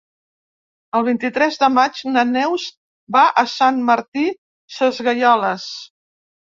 El vint-i-tres de maig na Neus va a Sant Martí Sesgueioles.